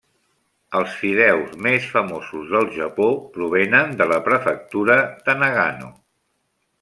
Els fideus més famosos del Japó provenen de la Prefectura de Nagano.